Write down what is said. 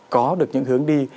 có được những hướng đi